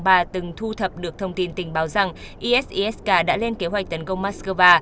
đã từng thu thập được thông tin tình báo rằng isis k đã lên kế hoạch tấn công moskova